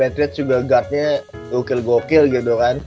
si patriots juga guard nya gokil gokil gitu kan